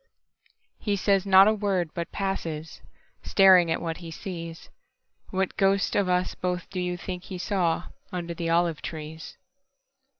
He says not a word, but passes, Staring at what he sees. What ghost of us both do you think he sawUnder the olive trees?